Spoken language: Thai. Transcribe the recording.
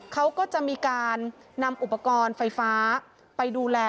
เขาก็จะมีการนำอุปกรณ์ไฟฟ้าไปดูแล